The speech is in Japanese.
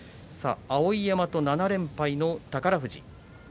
碧山と７連敗の宝富士。